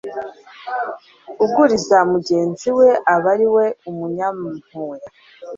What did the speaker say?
uguriza mugenzi we aba ari umunyampuhwe